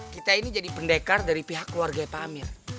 kita ini jadi pendekar dari pihak keluarga pak amir